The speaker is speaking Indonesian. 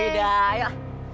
yoi dah yuk